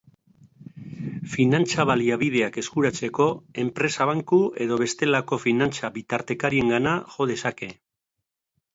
Finantza-baliabideak eskuratzeko, enpresa banku edo bestelako finantza-bitartekariengana jo dezake.